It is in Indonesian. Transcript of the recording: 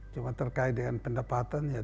cuma terkait dengan pendapatan